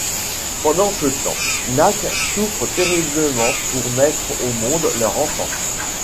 Pendant ce temps, Nak souffre terriblement pour mettre au monde leur enfant.